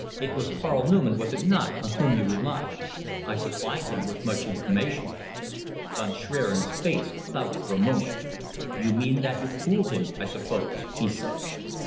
"It was Karl Neumann, was it not, on whom you relied? I supplied him with much information." Von Schwerin's face clouded for a moment. "You mean that you fooled him, I suppose," he said.